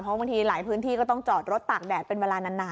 เพราะบางทีหลายพื้นที่ก็ต้องจอดรถตากแดดเป็นเวลานาน